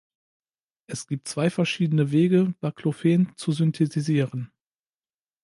Es gibt zwei verschiedene Wege, Baclofen zu synthetisieren.